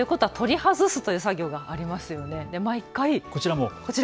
立てるということは取り外すという作業もありますよね。